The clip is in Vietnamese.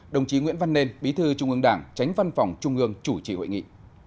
đồng chí nguyễn văn nên bí thư trung ương đảng tránh văn phòng trung ương chủ trì hội nghị